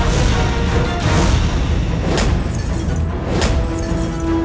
dan menangkap kake guru